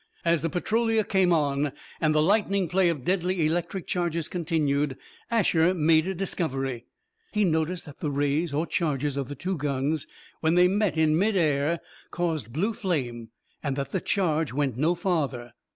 As the Petrolia came on, and the lightning play of deadly electric charges continued, Asher made a discovery. He noticed that the rays, or charges, of the two guns, when they met in mid air, caused blue flame, and that the charge went no farther.